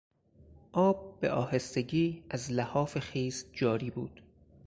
آب به آهستگی از لحاف خیس جاری بود.